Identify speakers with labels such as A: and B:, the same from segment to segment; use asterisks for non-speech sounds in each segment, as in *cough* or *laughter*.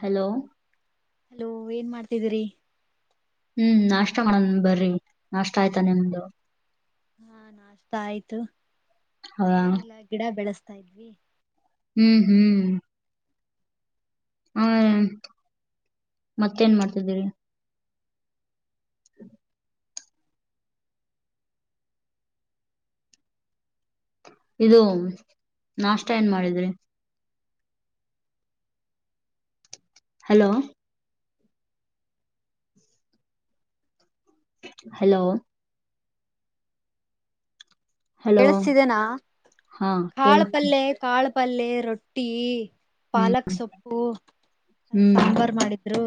A: Hello
B: hello ಏನ್ ಮಾಡ್ತಿದ್ರಿ
A: ಹ್ಮ್ ನಾಷ್ಟ ಮಾಡನ್ ಬರ್ರಿ ನಾಷ್ಟ ಆಯ್ತಾ ನಿಮ್ದು
B: ನಾಷ್ಟತ ಆಯ್ತು
A: ಹೌದಾ
B: ಏನಿಲ್ಲ ಗಿಡ ಬೆಳೆಸ್ತಾ ಇದ್ವಿ
A: ಹ್ಮ್ ಹ್ಮ್ ಹಾ ಮತ್ತೇನ್ ಮಾಡ್ತಿದ್ದೀರಿ ಇದು ನಾಷ್ಟ ಏನ್ ಮಾಡಿದ್ರಿ ಹಲೋ ಹಲೋ ಹಲೋ
B: ಕೇಳಸ್ತಿದೆನಾ
A: ಹಾ ಕೇಳಿಸ್ತ
B: ಕಾಳಪಲ್ಲೆ ಕಾಳುಪಲ್ಲೆ ರೊಟ್ಟಿ
A: ಹ್ಮ್
B: ಪಾಲಕ್ ಸೊಪ್ಪು ಅ
A: ಹ್ಮ್
B: ಸಾಂಬರ ರ್ಮಾಡಿದ್ರು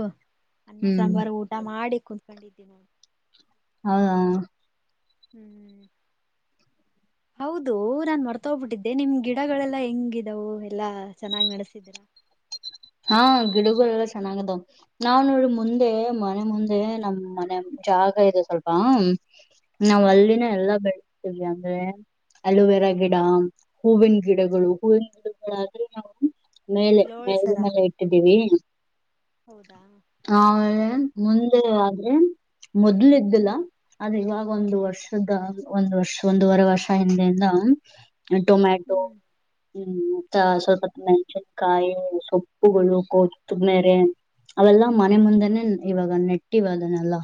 B: ಅನ್ನ
A: ಹ್ಮ್
B: ಸಾಂಬಾರ್ ಊಟ ಊಟ ಮಾಡಿ ಕುತ್ಕೊಂಡಿದ್ದೀ ನೋಡ್
A: ಹೌದ
B: ಹ್ಮ್
A: *inaudible*
B: ಹೌದು ನಾನ್ ಮರ್ತ್ಬಿಟ್ಟಿದ್ದೆ ನಿಮ್ ಗಿಡಗಳೆಲ್ಲಾ ಹೆಂಗಿದವು ಎಲ್ಲಾ ಚೆನ್ನಾಗ್ ನಡೆಸ್ಸತಿದೀರಾ
A: ಹಾ ಗಿಡಗಳೆಲ್ಲ ಚೆನ್ನಾಗದವು ನಾವ್ ನೋಡ ಮುಂದೆ ಮನೆ ಮುಂದೆ ನಮ್ಮ ಮನೆ ಜಾಗ ಇದೆ ಸ್ವಲ್ಪ ನಾವ್
B: ಹಾ
A: ಅಲ್ಲಿನ ಎಲ್ಲಾ ಬೆಳೆಸ್ತೀವಿ ಅಂದ್ರೆ ಅಲೋವೆೆರಾ ಗಿಡ ಹೂವಿನ ಗಿಡಗಳು ಹೂವಿನ ಗಿಡಗಳಾದ್ರೆ ನಾವು ಮೇಲೆ ಮೇಲ್ಗೆ
B: ಲೋಳ್ಸರ
A: ಮೇಲೆ ಇಟ್ಟಿದೀವಿ
B: ಹೌದಾ
A: ಹ ಮೇಲೆ ಮುಂದೆ ಆದ್ರೆ ಮೊದ್ಲು ಇದ್ದಿಲ್ಲ
B: ಹ್ಮ್
A: ಅದ ಇವಾಗ ಒಂದು ವರ್ಷದ ಒಂದು ವರ್ಷ ಒಂದವರೆ ವರ್ಷ ಹಿಂದೆಯಿಂದ ಟೊಮ್ಯಾಟೊ
B: ಹ್ಮ್
A: ಹೂ ಮತ್ತ ಹಸೆ ಸ್ವಲ್ಪ ಮೆಣಸಿಕಾಯಿ ಸೊಪ್ಪುಗಳು ಕೊತ್ತು ಮೇರೆ. *unintelligible* ಅವೆಲ್ಲಾ ಮನೆ ಮುಂದೆನೆೇ ಇವಾಗ ನೆಟ್ಟಿವದನ್ನೆಲ್ಲ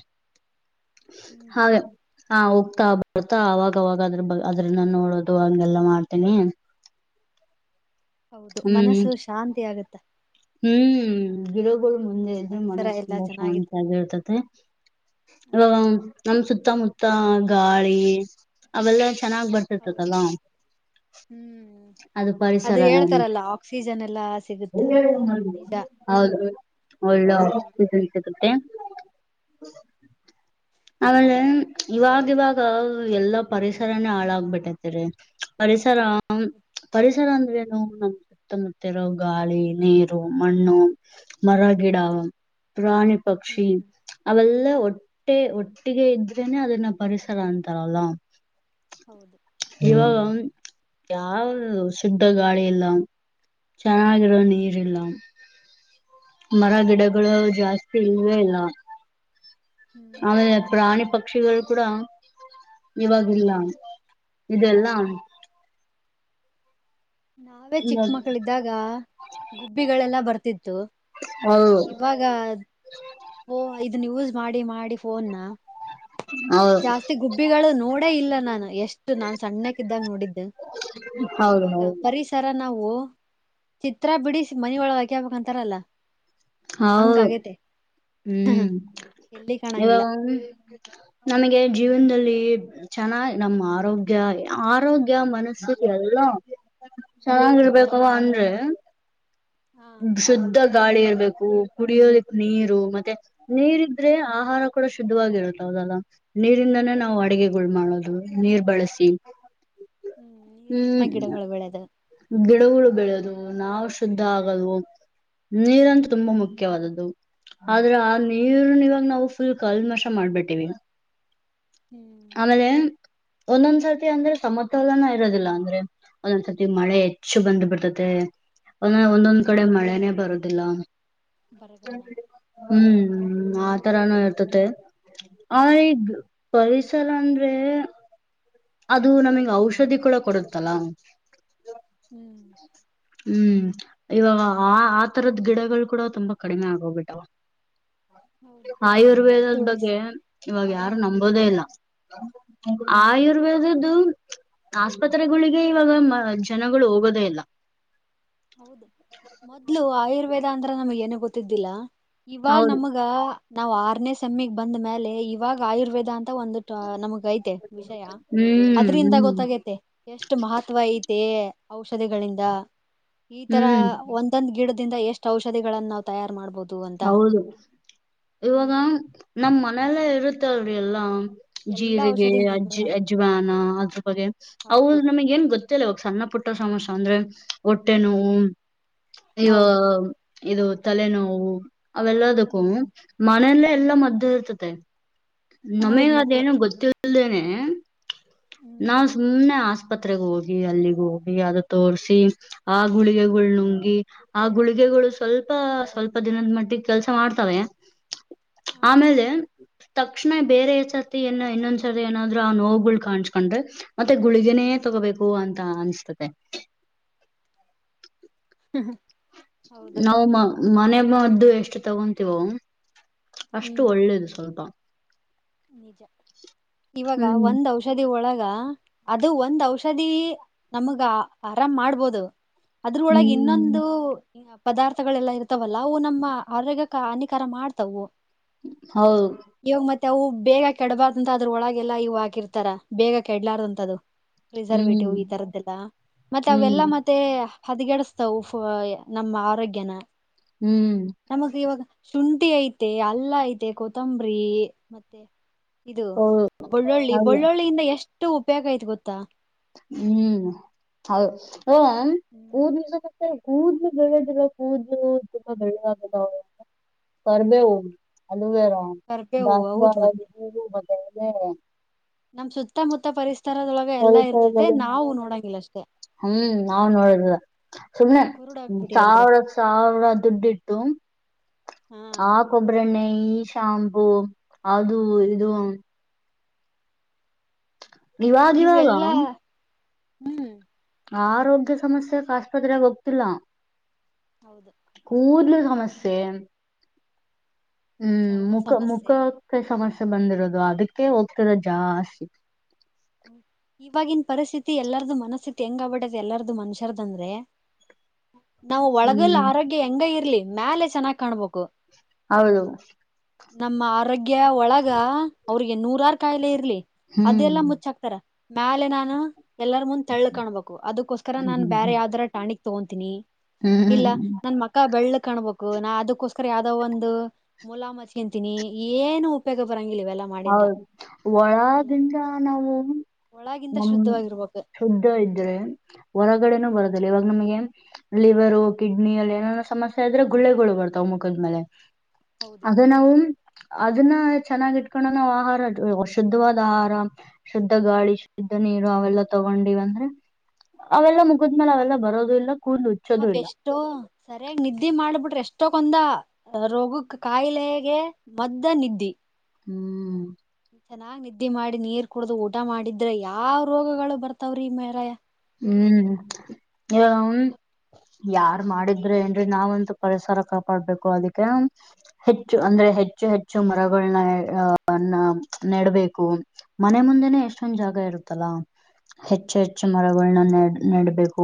B: ಹ್ಮ್
A: ಹಾಗೆ.
B: ಹ್ಮ್
A: *unintelligible* ಹಾ ಹೋಗತ್ತಾ ಹೋಗತ್ತಾ ಅವವಾಗ ಅದರ ಅದ್ರನ್ನ ನೋಡೋದು ಹಂಗೆಲ್ಲಾ ಮಾಡ್ತೀನಿ. *unintelligible*
B: ಹೌದು ಮನಸ್ಸು ಶಾಂತಿ ಆಗುತ್ತೆ.
A: ಹೂ ಗಿಡಗಳು ಮುಂದೆ. *unintelligible* ಇದು
B: ಪರಿಸರ
A: ಮನಸ್ಸು
B: ಎಲ್ಲಾ
A: ತುಂಬಾ ಶಾಂತಿ
B: ಚೆನ್ನಾಗಿದ್ದು
A: ಆಗಿರತೈತಿ
B: ಹ್ಮ್
A: ಯವ್ವ. *unintelligible* ನಮ್ಮ ಸುತ್ತಮುತ್ತ ಗಾಳಿ ಅವೆಲ್ಲ ಚೆನ್ನಾಗ್ ಬರ್ತಿತ ಅಲ್ಲಾ. *unintelligible*
B: ಹೂ ಅದು ಹೇಳ್ತಾರಲ್ಲ ಆಕ್ಸಿಜನ್ ಎಲ್ಲಾ ಸಿಗುತ್ತ ಅಂತ ನಿಜಾ. *unintelligible*
A: ಹೌದು ಒಳ್ಳೂ ಆಕ್ಸಿಜನ್ ಸಿಗುತ್ತೆ. *inaudible* ಆಮೇಲೆ ಇವಾಗ ಇವಾಗ ಎಲ್ಲಾ ಪರಿಸರನೇ ಹಾಳಾಗಬಿಟ್ಟೈತಿರಿ. *unintelligible* ಪರಿಸರಾ - *unintelligible* ಪರಿಸರ ಅಂದರೇ ಏನು ನಮ್ಮ ಸುತ್ತಮುತ್ತ ಇರೋ ಗಾಳಿ ನೀರು ಮಣ್ಣು *unintelligible* ಮರಗಿಡಾ ಪ್ರಾಣಿ
B: ಹ್ಮ್
A: ಪಕ್ಷಿ ಅವೆಲ್ಲ ಒಟ್ಟೆ ಒ *unintelligible* ಒಟ್ಟಿಗೆ ಇದ್ರೇನೆ ಅದನ್ನ ಪರಿಸರ ಅಂತಾರಲ್ಲ. *unintelligible*
B: ಹೌದು. *unintelligible*
A: ಇವಾಗ ಯಾವ ಶುದ್ಧ ಗಾಳಿ ಇಲ್ಲ. *unintelligible* ಚೆನ್ನಾಗಿರೋ ನೀರ ಇಲ್ಲ. *unintelligible* ಮರ ಗಿಡಗಳು ಜಾಸ್ತಿ ಇಲ್ವೇ ಇಲ್ಲ. *unintelligible*
B: ಹ್ಮ್
A: ಆಮೇಲೆ ಪ್ರಾಣಿ ಪಕ್ಷಿಗಳು ಕೂಡ ಇವಾಗ ಇಲ್ಲ. *unintelligible* ಇದೆಲ್ಲಾ. *unintelligible*
B: ಹೌದು ನಾವೇ ಚಿಕ್ಕ ಮಕ್ಕಳ ಇದ್ದಾಗ ಗುಬ್ಬಿಗಳೆಲ್ಲ ಬರ್ತಿತ್ತು
A: ಹೌದು
B: ಇವಾಗ *unintelligible* ಗಾ ಪೋ ಇದನ್ನ ಯೂಸ್ ಮಾಡಿ ಮಾಡಿ ಫೋನ್ ನಾ. *unintelligible*
A: ಹೌದು
B: ಜಾಸ್ತಿ ಗುಬ್ಬಿಗಳು ನೋಡೇ ಇಲ್ಲ ನಾನ ಎಷ್ಟು ನಾನ್ ಸಣ್ಣಕ್ಕಿ ಇದ್ದಾಗ ನೋಡಿದ್ದೆ. *unintelligible*
A: ಹೌದ ಹೌದು. *unintelligible*
B: ಒಂತರಾ ನಾವು ಚಿತ್ರ ಬಿಡಿಸಿ ಮನಿ ಒಳಗ ಹಾಕೇ ಬೇಕಂತರಲ್ಲ. *unintelligible*
A: ಹೌದು ಹೂ
B: ಎಲ್ಲಿ ಕಾಣಂಗಿಲ್ಲ
A: ಇವಾಗ. *inaudible* *unintelligible* ನಮಗೆ ಜೀವನದಲ್ಲಿ. *unintelligible* ಚೆನ್ನಾಗ ನಮ್ಮ ಆರೋಗ್ಯ ಆರೋಗ್ಯ ಮನಸು ಎಲ್ಲಾ *unintelligible* ಚೆನ್ನಾಗಿ ಇರಬೇಕು ಅದು ಅಂದ್ರೆ. *unintelligible*
B: ಹಾ
A: ಶುದ್ಧ ಗಾಳಿ ಇರಬೇಕು. *inaudible* ಕುಡಿಯೋದಕ್ಕ ನೀರು ಮತ್ತೆ ನೀರ ಇದ್ರೆ ಆಹಾರ ಕೂಡ ಶುದ್ಧವಾಗಿರುತ್ತ ಹೌದ ಅಲ್ಲ. *unintelligible* ನೀರಿಂದಾನೇ
B: ಇರುತ್ತೆ
A: ನಾವು ಅಡುಗೆಗಳು ಮಾಡೋದು ನೀರ ಬಳಸಿ. *unintelligible* ಹೂ. *inaudible*
B: ಒಳ್ಳೇದ. *unintelligible*
A: ಗಿಡಗಳು ಬೆಳೆದು ನಾವು ಶುದ್ಧ ಆಗಲ್ಲವೂ ನೀರ ಅಂತು *unintelligible* ತುಂಬಾ
B: ಹ್ಮ್
A: ಮುಖ್ಯವಾದದ್ದು ಆದರೇ ಆ
B: ಹೌದು
A: ನೀರನ್ನ ಇವಾಗ ನಾವು ಫುಲ್ ಕಲ್ಮಶ ಮಾಡಬಿಟ್ಟೀವಿ. *unintelligible*
B: ಹ್ಮ್
A: ಆಮೇಲೆ ಒಂದೊಂದ್ಸರ್ತಿ ಅಂದ್ರೆ ಸಮತೋಲನ ಇರೋದಿಲ್ಲ ಅಂದ್ರೆ. *unintelligible* ಒಂದ ಒಂದ್ಸತಿ ಮಳೆ ಹೆಚ್ಚು ಬಂದ ಬಿಡ್ತೈತೆ. *unintelligible* ಒಂದ ಒಂದೊಂದ್ ಕಡೆ ಮಳೆನೆೇ ಬರೋದಿಲ್ಲ.
B: ಬರಗಾಲ
A: *inaudible* ಹೂ ಆತರಾನು ಇರ್ತತೆ ಆ ಈಗ್ ಪರಿ *unintelligible* ಸರ ಅಂದರೆ. *unintelligible* ಅದು ನಮಗ ಔಷಧಿ ಕೂಡ ಕೊಡುತ್ತಲ್ಲ. *inaudible*
B: ಹೂ. *unintelligible*
A: ಹೂ ಇವಾಗ ಆ ಆತರದ ಗಿಡಗಳು ಕೂಡ ತುಂಬಾ ಕಡಿಮೆ ಆಗೊಗಿ ಬಿಟ್ಟವಾ. *unintelligible*
B: ಹೌದು
A: *unintelligible* ಆಯುರ್ವೇದದ
B: ತುಳಸಿ
A: ಬಗ್ಗೆ ಇವಾಗ ಯಾರು ನಂಬೋದೇ ಇಲ್ಲಾ.
B: ಹ್ಮ್
A: ಆಯುರ್ವೇದದ್ದು ಆಸ್ಪತ್ರೆಗಳಿಗೆ ಇವಾಗ ಜನಗಳು ಹೋಗೋದೇ ಇಲ್ಲಾ.
B: ಹೌದು ಮೊದ್ಲು ಆಯುರ್ವೇದ ಅಂದ್ರ ನಮಗ ಏನು ಗೊತ್ತಿದ್ದಿಲ್ಲಾ ಇವಾಗ
A: ಹೌದು
B: ನಮಗ ನಾವ್ ಆರನೇ ಸಮ್ಮಿಗ್ ಬಂದ ಮ್ಯಾಲೆ ಇವಾಗ ಆಯುರ್ವೇದ ಅಂತ ಒಂದು ಟಾ ನಮ್ಗ ಐತ್ ವಿಷಯ
A: ಹ್ಮ್
B: ಅದ್ರಿಂದ
A: ಹ್ಮ್
B: ಗೊತ್ತಾಗೆತಿ. ಎಷ್ಟ ಮಹತ್ವ ಆಯ್ತೇ ಔಷಧಿಗಳಿಂದ ಈ ತರಾ
A: ಹ್ಮ್
B: ಒಂದೊಂದ್ ಗಿಡದಿಂದ ಎಷ್ಟು ಔಷಧಿಗಳನ್ನ ನಾವು ತಯಾರ್ ಮಾಡ್ಬೋದು ಅಂತ
A: ಹೌದು ಇವಾಗ
B: ಹ್ಮ್
A: ನಮ್ ಮನೆಲೆ ಇರುತಲ್ರಿ ಎಲ್ಲಾ.
B: ಎಲ್ಲಾ
A: ಜೀರಿಗೆ
B: ಔಷಧಿ
A: ಅಜ್
B: ಮರಗಳ
A: ಅಜ್ವಾನಾ ಅದ್ರ ಬಗ್ಗೆ ಅವು
B: ಹೌದು
A: ನಮಗ್ ಏನ್ ಗೊತ್ ಲಾ ಈವಾಗ ಸಣ್ಣ ಪುಟ್ಟ ಸಮಸ್ಯೆ ಅಂದ್ರೆ ಹೊಟ್ಟೆ ನೋವು ಇವ
B: ಹೌದು
A: ಇದು ತಲೆನೋವು ಅವೆಲ್ಲದಕ್ಕೂ
B: ಹ್ಮ್
A: ಮನೆಲೆ
B: ಹ್ಮ್
A: ಎಲ್ಲಾ ಮದ್ದು ಇರ್ತದೆ. ನಮಗ
B: ಹೌದ್ ಮತ್ತೆ
A: ಅದೇನು ಗೊತ್ತಿಲ್ದೇನೆ ನಾವು
B: ಹ್ಮ್
A: ಸುಮ್ನೆ ಆಸ್ಪತ್ರೆಗೆ ಹೋಗಿ ಅಲ್ಲಿಗೆ ಹೋಗಿ ಅದು ತೋರ್ಸಿ ಆ ಗುಳಿಗೆಗಳನ ನುಂಗಿ ಆ ಗುಳಿಗೆಗಳು ಸ್ವಲ್ಪ ಸ್ವಲ್ಪ ದಿನದ ಮಟ್ಟಿಗೆ ಕೆಲ್ಸಾ ಮಾಡ್ತವೆ.
B: ಹಾ
A: ಆಮೇಲೆ ತಕ್ಷಣ ಬೇರೆ ಸರತಿ ಇನ್ನೂ ಇನೊಂದ್ ಸರತಿ ಏನಾದ್ರು ಆ ನೋವುಗಳು ಕಾಣಸ್ಕೊಂಡ್ರೆ ಮತ್ತೆ ಗುಳಿಗೆನೆ ಅದನ್ನೇ
B: ಹ್ಮ್
A: ತಗೋಬೇಕು ಅಂತ ಅನಿಸ್ತದೆ.
B: *unintelligible* ಹೌದು
A: ನಾವು ಮ ಮನೆ ಮದ್ದು ಎಷ್ಟು ತಗೊಂತೀವೋ ಅಷ್ಟು ಒಳ್ಳೇದು ಸ್ವಲ್ಪಾ.
B: ನಿಜಾ ಇವಾಗ
A: ಹ್ಮ್
B: ಒಂದ್ ಔಷದಿ ಔಷಧಿ ಒಳಗ ಅದು ಒಂದ್ ಔಷಧಿ ನಮಗ ಆರಾಮ್ ಮಾಡ್ಬೋದು ಅದ್ರೊಳಗ ಇನ್ನೊಂದ್
A: ಹ್ಮ್
B: ಪದಾರ್ಥಗಳೆಲ್ಲಾ ಇರ್ತವಲ್ಲಾ ಅವು ನಮ್ಮ ಆರೋಗ್ಯಕ ಹಾನಿಕಾರ ಮಾಡ್ತಾವು.
A: ಹೌದು
B: ಇವಾಗ ಮತ್ತೆ ಅವು ಬೇಗ ಕೆಡಬಾರದ ಅಂತ ಅದ್ರ ಒಳಗೆಲ್ಲಾ ಇವ್ ಹಾಕಿರ್ತಾರ ಬೇಗ ಕೆಡ್ರಾಲ್ದಂತ ಅದು.
A: ಹ್ಮ್
B: ರಿಸರ್ವೇಟಿವ್ ಈ ತರದ್ದೆಲ್ಲಾ ಮತ್ತೆ
A: ಹ್ಮ್
B: ಅವೆಲ್ಲಾ ಮತ್ತೆ ಹದಗೆಡಸ್ತಾವು ನಮ್ಮ ಆರೋಗ್ಯನಾ
A: ಹುಂ
B: ನಮಗ ಇವಾಗ ಶುಂಠಿ ಐತೆ ಅಲ್ಲಾ ಐತೆ ಕೊತ್ತಂಬರಿ ಮತ್ತೆ ಇದು
A: ಹೌದು
B: ಬೆಳ್ಳುಳ್ಳಿ
A: ಹಾಗೆ
B: ಬೆಳ್ಳುಳ್ಳಿಯಿಂದ ಎಷ್ಟು ಉಪಯೋಗ ಐಯ್ತ ಗೊತ್ತಾ
A: ಹುಂ ಹೌದು ಹ ನಿ ಮ ಕೂದಲು ಬೆಳ್ಳದಲ್ಲಾ ಕೂದಲು ತುಂಬಾ ಬೆಳ್ಳಗಾಗೋದು ಕರಬೇವು ಅಲೋವೇರಾ
B: ಕರ್ಬೇವು ಹೌದ್
A: ದಾಸವಾಳ
B: ಮತ್ತೆ
A: ಹೂವು ಮತ್ತೆ
B: ನಮ್ ಸುತ್ತಮುತ್ತ ಪರಿಸತರದೊಳಗ
A: ಸ್ವಲ್ಪ *unintelligible* ಹುಂ ನಾವ್ ನೋಡಿದಿವಲಾ ಸುಮ್ಮನೆ
B: ಕುರುಡ್ ಆಗ್ಬಿಟ್ಟಿ ಅಲ್ರಿ
A: ಸಾವಿರಕ್ಕ ಸಾವಿರಾ ದುಡ್ಡ ಇಟ್ಟು
B: ಹಾ
A: ಆ ಕೊಬ್ಬರಿಣ್ಣೆ ಈ ಶಾಂಪೂ ಅದು ಇದು ಇವಾಗಿವಾಗ
B: ಇವೆಲ್ಲಾ ಹುಂ
A: ಆರೋಗ್ಯ ಸಮಸ್ಯೆಕ್ ಆಸ್ಪತ್ರೆಗೆ ಹೋಗ್ತಿಲ್ಲಾ
B: ಹೌದ
A: ಕೂದಲು ಸಮಸ್ಯೆ ಹುಂ
B: ಚರ್ಮ
A: ಮುಖ
B: ಸಮಸ್ಯೆ
A: ಮುಖಾ ಮ ಸಮಸ್ಯೆ ಬಂದಿರೋದು ಅದಕ್ಕೆ ಹೋಗ್ತರ ಜಾಸ್ತಿ
B: ಇವಾಗಿನ್ ಪರಿಸ್ಥಿತಿ ಎಲ್ಲಾರ್ದು ಮನಸ್ಥಿತಿ ಹೆಂಗ ಆಗ್ಬಿಡ್ ಎಲ್ಲಾರದು ಮನ್ಷ್ಯರ್ದಂದ್ರೆ
A: *inaudible*
B: ನಾವು ಒಳಗಲ್
A: ಹ್ಮ್
B: ಆರೋಗ್ಯ ಹೆಂಗ ಇರ್ಲಿ ಮ್ಯಾಲೆ ಚೆನ್ನಾಗ್ ಕಾಣ್ಬೇಕು
A: ಹೌದು
B: ನಮ್ಮ ಆರೋಗ್ಯ ಒಳಗ ಅವ್ರಿಗೆ ನೂರಾರ ಕಾಯಿಲೆ ಇರ್ಲಿ ಅದೆಲ್ಲ
A: ಹ್ಮ್
B: ಮ ಮುಚ್ಕ್ತರ ಮ್ಯಲೆ ನಾನು ಎಲ್ಲರ ಮುಂದ್ ತೆಳ್ಳ ಕಾಣಬೇಕು ಅದಕ್ಕೋಸ್ಕರ
A: ಹ್ಮ್
B: ನಾನ್ ಬೇರೆ
A: ಹ್ಮ್
B: ಯಾವ್ದರ ಟಾಣಿಕ್ ತಗೋತೀನಿ
A: ಹ್ಮ್
B: ಇಲ್ಲ
A: ಹ್ಮ್
B: ನನ್ ಮಕ ಬೆಳ್ಳಗ ಕಾಣಬೇಕು ನಾ ಅದಕ್ಕೋಸ್ಕರ ಯಾವ್ದಾವ ಒಂದು ಮುಲಾಮತ್ಕಂತೀನಿ ಏನು ಉಪಯೋಗ ಬರಂಗಿಲ್ಲಿವವಲ್ಲ
A: ಹೌದು ಒಳಾಗಿಂದ ನಾವು
B: ಒಳಗಿಂದ
A: ನಮ್ಮ್
B: ಶುದ್ಧವಾಗಿರ್ಬೇಕು
A: ಶುದ್ಧ ಇದ್ರೆ ಹೊರಗಡೆನೂ
B: ಹ್ಮ್
A: ಬರದಿಲ್ಲ ಇವಾಗ ನಮ್ಗೆ ಲಿವರು ಕಿಡ್ನಿ ಅಲ್ಲಿ ಏನೇನೋ ಸಮಸ್ಯೆ ಇದ್ರೆ ಗುಳ್ಳೆಗಳು ಬರ್ತಾವ ಮುಖದ ಮೇಲೆ
B: ಹೌದು
A: ಅದೆ ನಾವು ಅದನ್ನ ಚೆನ್ನಾಗಿವಿ ಕಣ ನಾವು ಆಹಾರ ಶುದ್ಧವಾದ ಆಹಾರ ಶುದ್ಧ ಗಾಳಿ ಶುದ್ಧ ನೀರು ಅವೆಲ್ಲ ತಗೊಂಡಿವ ಅಂದ್ರೆ ಅವೆಲ್ಲ ಮುಗಿದ್ಮೇಲೆ ಅವೆಲ್ಲ ಬರೋದು ಇಲ್ಲ ಕೂಲ್ ಹಚ್ಚೋದು ಇಲ್ಲ
B: ಟೊ ಸರಿಯಾಗಿ ನಿದ್ದೆ ಮಾಡಿಬಿಟ್ರೆ ಎಷ್ಟೊಕ್ಕೊಂದ ರೋಗಕ್ ಕಾಯಿಲೆಗೆ ಮದ್ದ ನಿದ್ದೆ
A: ಹ್ಮ್
B: ಚೆನ್ನಾಗ್ ನಿದ್ದೆ ಮಾಡಿ ನೀರ್ ಕುಡ್ದು ಊಟ ಮಾಡಿದ್ರೆ ಯಾವ್ ರೋಗಗಳು ಬರ್ತಾವ್ರೀ ಮೇರಾಯ ಹೇಳ್ರಿ ನೀವ
A: ಹ್ಮ್ ಇವಾಗ ಯಾರ್ ಮಾಡಿದ್ರ ಏನ್ರಿ ನಾವಂತೂ ಪರಿಸರ ಕಾಪಾಡ್ಬೇಕು ಅದಕ್ಕೆ ಹೆಚ್ಚು ಅಂದ್ರೆ ಹೆಚ್ಚು ಹೆಚ್ಚು ಮರಗಳನ್ನ ಅ ನ ನೆಡಬೇಕು ಮನೆ ಮುಂದೆನೆ ಎಷ್ಟೊಂದ್ ಜಾಗ ಇರುತ್ತಲ್ಲ ಹೆಚ್ಚು ಹೆಚ್ಚು ಮರಗಳನ್ನ ನೆ ನೆಡ್ಬೇಕು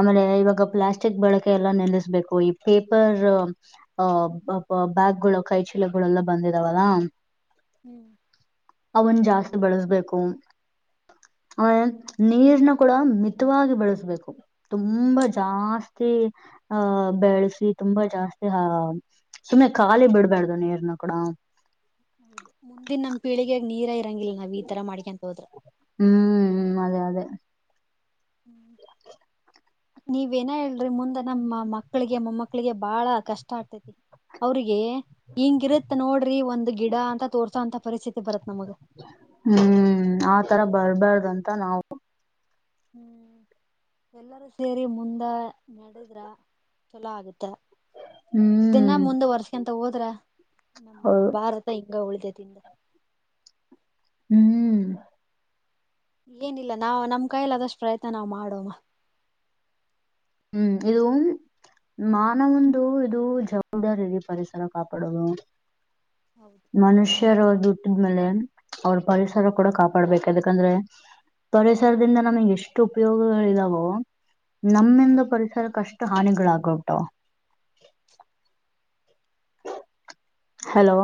A: ಆಮೇಲೆ ಇವಾಗ ಪ್ಲಾಸ್ಟಿಕ್ ಬಳಕೆ ಎಲ್ಲ ನಿಲ್ಲಿಸಬೇಕು ಈ ಪೇಪರ್ ಆ ಬ್ಯಾಗ್ಗಳು ಕೈ ಚೀಲಗಳ್ಳೆಲ್ಲ ಬಂದಿದಾವಲ್ಲಾ
B: ಹ್ಮ್
A: ಅವನ್ ಜಾಸ್ತಿ ಬಳಸ್ಬೇಕು ಆ ನೀರ್ನ ಕೂಡ ಮಿತವಾಗಿ ಬಳಸಬೇಕು ತುಂಬಾ ಜಾಸ್ತಿ ಆಹ ಬೆಳೆಸಿ ತುಂಬಾ ಜಾಸ್ತಿ ಹ ಸುಮ್ಮನೆ ಖಾಲಿ ಬಿಡ್ಬಾರ್ದು ನೀರ್ನ ಕೊಡ
B: ಹೌದು ಮುಂದಿನ ನಮ್ ಪೀಳಿಗೆಗೆ ನೀರಾ ಇರಂಗಿಲ್ಲ ನಾವ್ ಈ ತರ ಮಾಡಿಕ್ಯಾಂತ ಹೋದ್ರ
A: ಹ್ಮ್ ಅದೇ ಅದೇ
B: ಹ್ಮ್ ನೀವ ನ ಹೇಳ್ರಿ ಮುಂದೆ ನಮ್ಮ ಮಕ್ಳಿಗೆ ಮೊಮ್ಮಕ್ಳಿಗೆ ಬಾಳ ಕಷ್ಟ ಅಕತೈತಿ ಅವ್ರಿಗೆ ಹಿಂಗಿರತ್ ನೋಡ್ರಿ ಒಂದು ಗಿಡ ಅಂತ ತೋರ್ಸೋ ಅಂತ ಪರಿಸ್ಥಿತಿ ಬರತ್ ನಮಗೆ
A: ಹ್ಮ್ ಆತರ ಬರ್ಬಾರ್ದ ಅಂತ ನಾವು
B: ಹ್ಮ್ ಎಲ್ಲರೂ ಸೇರಿ ಮುಂದ ನಡದ್ರ ಚಲೋ ಆಗುತ್ತ ಇದನ್ನ
A: ಹ್ಮ್
B: ಮುಂದ ವರ್ಸಕಂತ ಹೋದ್ರ ನಮ್ಮ
A: ಹೌದು
B: ಭಾರತ ಹಿಂಗ ಉಳಿತೈತಿ ಹಿಂದ
A: ಹ್ಮ್
B: ಏನಿಲ್ಲ ನಾವ ನಮ್ ಕೈಯಲಿ ಆದಷ್ಟು ಪ್ರಯತ್ನ ನಾವ್ ಮಾಡೋವ
A: ಹ್ಮ್ ಇದು ಮಾನವೊಂದು ಇದು ಜವಾಬ್ದಾರಿಯಲ್ಲಿ ಪರಿಸರ ಕಾಪಾಡೋದು
B: ಹೌದು
A: ಮನುಷ್ಯರ ದುಟ್ಟಿದ ಮೇಲೆ ಅವ್ರ ಪರಿಸರ ಕೂಡ
B: ಹ್ಮ್
A: ಕಾಪಾಡ್ಬೇಕು ಯದಕಂದ್ರೆ ಪರಿಸರದಿಂದ ನಮಗೆ ಎಷ್ಟು ಉಪಯೋಗಗಳಿದಾವೋ ನಮ್ಮ ಸರ್ಕ್ ಅಷ್ಟು ಹಾನಿಗಳಾಗ ಆಗಿ ಹೋಗ್ತಾವ್ ಹಲೋ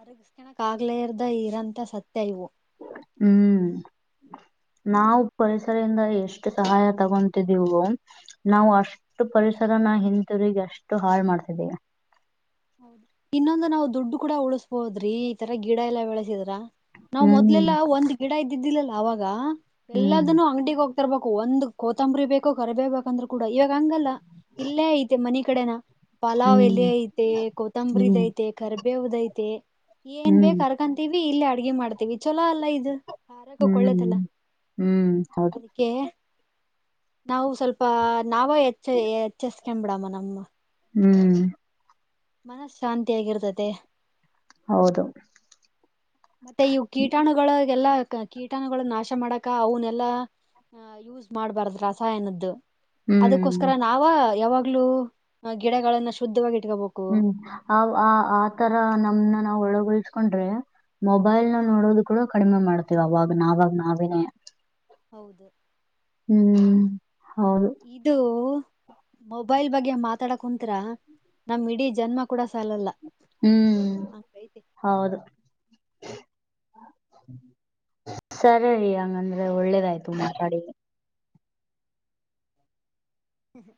B: ಅರಗಸ್ಕಣಕ್ ಆಗ್ಲೇ ಇರ್ದ ಇರಂತ ಸತ್ಯ ಇವು
A: ಹ್ಮ್ ನಾವವು ಪರಿಸರದಿಂದ ಎಷ್ಟು ಸಹಾಯ ತಗೊತಿದ್ದೀವು ನಾವು ಅಷ್ಟು ಪರಿಸರ ನ ಹಿಂತಿರುಗ ಅಷ್ಟು ಹಾಳು ಮಾಡ್ತಿದ್ದೀವಿ
B: ಹೌದು ಇನ್ನೊಂದು ನಾವು ದುಡ್ಡು ಕೂಡ ಉಳಿಸಬೋದ್ರಿ ಈ ತರಾ ಗಿಡ ಎಲ್ಲಾ ಬೆಳೆಸಿದ್ರ ನಾವ್
A: ಹ್ಮ್
B: ಮೊದ್ಲೆಲ್ಲಾ ಒಂದ ಗಿಡ ಇದ್ದಿದ್ದಿಲ್ಲಲ್ಲ ಅವಾಗ
A: ಹ್ಮ್
B: ಎಲ್ಲದನು ಅಂಗಡಿಗೆ ಹೋಗ್ತ ತರ್ಬೇಕು ಒಂದ್ ಕೋತಂಬರಿ ಬೇಕು ಕರಬೇವ ಬೇಕಂದ್ರೂ ಕೂಡ ಇವಾಗ ಹಂಗಲ್ಲ ಇಲ್ಲೇ ಐತೆ ಮನಿ ಕಡೆನ ಪಲಾವ್ ಎಲೆ
A: ಹ್ಮ್
B: ಐತೆ ಕೊತಂಬರಿದ್
A: ಹ್ಮ್
B: ಐತೆ ಕರ್ಬೇವದ ಐತೆ ಏನ್
A: ಹ್ಮ್
B: ಬೇಕರ್ ಕಂತೀವಿ ಇಲ್ಲ ಅಡ್ಗೆ ಮಾಡ್ತೀವಿ ಚೊಲೋ ಅಲ್ಲ ಇದು ಆರೋಗ್ಯಕ್ಕೆ ಒಳ್ಳೇದಲ್ಲ
A: ಹ್ಮ್ ಹ್ಮ್ ಹೌದು
B: ಅದಕ್ಕೆ ನಾವು ಸ್ವಲ್ಪ ನಾವ ಹೆಚ್ಚ ಹೆಚ್ಚಸ್ಕ್ ಬಿಡಮ್ಮ ನಮ್ಮ
A: ಹ್ಮ್
B: ಮನಸ್ ಶಾಂತಿಯಗಿರ್ತದೆ
A: ಹೌದು
B: ಮತ್ತೆ ಇವು ಕೀಟಾಣುಗಳಾಗಲ್ಲ ಕೀಟಾಣುಗಳು ನಾಶ ಮಾಡಕ ಅವನ್ನೆಲ್ಲಾಹ ಯೂಸ್ ಮಾಡ್ಬಾರ್ದ ರಸಾಯನದ್ದು
A: ಹ್ಮ್
B: ಅದಕ್ಕೋಸ್ಕರ ನಾವ ಯಾವಾಗ್ಲುೂ ಗಿಡಗಳನ್ನ ಶುದ್ಧವಾಗಿ ಇಟ್ಕೊಬೋ
A: ಹ್ಮ್ ಅವ ಆತರ ನಮನ ನಾವ್ ಒಳಗಸ್ಕೊಂಡ್ರೆ ಮೊಬೈಲ್ ನ
B: ಹಾ
A: ನೋಡೋದು ಕೂಡ ಕಡಿಮೆ ಮಾಡ್ತೀವ ಅವಾಗ ನಾವಾಗ ನಾವ
B: ಹೌದು
A: ಹ್ಮ್ ಹೌದು
B: ಇದು ಮೊಬೈಲ್ ಬಗ್ಗೆ ಮಾತಾಡ ಕುಂತ್ತ್ರ ನಮ್ ಇಡೀ ಜನ್ಮ ಕೂಡ ಸಾಲಲ್ಲ
A: ಹ್ಮ್
B: ಅಂಗೈತೆ
A: ಹೌದು ಸರಿ ರೀ ಹಂಗಂದ್ರೆ ಒಳ್ಳೇದಾಯ್ತು ಮಾತಾಡಿ
B: ಹ್ಮ್ ಹ್ಮ್